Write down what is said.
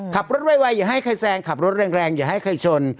ขับรถไวไวอย่าให้ใครแซงขับรถแรงแรงอย่าให้ใครชน